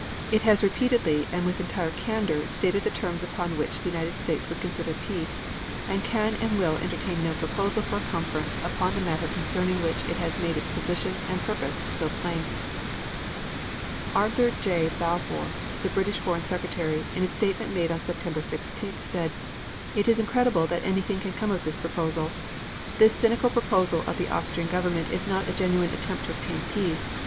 It has repeatedly and with entire candor stated the terms upon which the United States would consider peace, and can and will entertain no proposal for a conference upon the matter concerning which it has made its position and purpose so plain." Arthur J. Balfour, the British Foreign Secretary, in a statement made September 16th said: "It is incredible that anything can come of this proposal.... This cynical proposal of the Austrian Government is not a genuine attempt to obtain peace.